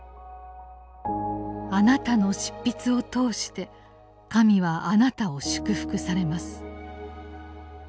「あなたの執筆を通して神はあなたを祝福されます」。